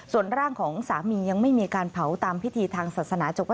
ส่วนร่างของสามียังไม่มีการเผาตามพิธีทางศาสนา